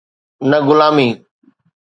نه غلامي.